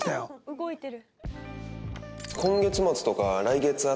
動いてる。